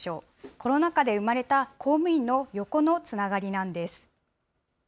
コロナ禍で生まれた公務員の横のつながりなんです。